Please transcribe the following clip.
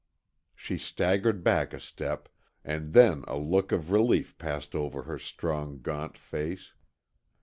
She staggered back a step and then a look of relief passed over her strong, gaunt face.